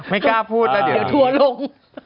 ไม่กล้าพูดแล้วเดี๋ยวทัวร์ลง